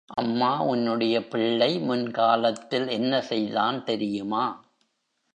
அம்மா உன்னுடைய பிள்ளை முன் காலத்தில் என்ன செய்தான் தெரியுமா?